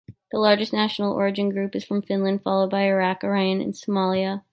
The largest national origin group is from Finland, followed by Iraq, Iran and Somalia.